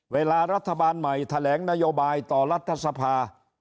เวลารัฐบาลใหม่แถลงนโยบายต่อรัฐสภา